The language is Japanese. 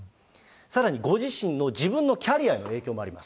さらにご自身の自分のキャリアへの影響もあります。